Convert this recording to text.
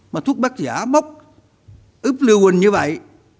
mà thuốc bác giả mốc ướp lưu quỳnh như vậy